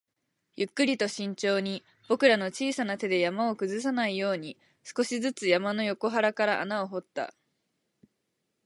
ゆっくりと慎重に、僕らの小さな手で山を崩さないように、少しずつ山の横腹から穴を掘った